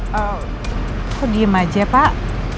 kok diem aja pak